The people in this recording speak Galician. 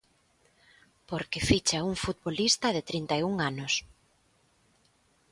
Porque ficha un futbolista de trinta e un anos.